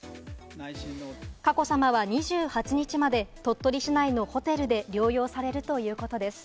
佳子さまは２８日まで、鳥取市内のホテルで療養されるということです。